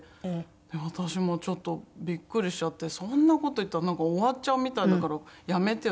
私もちょっとビックリしちゃって「そんな事言ったらなんか終わっちゃうみたいだからやめてよ」